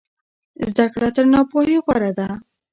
زده کړه تر ناپوهۍ غوره ده.